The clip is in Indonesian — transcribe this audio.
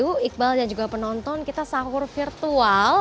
untuk menikmati panggilan sahur virtual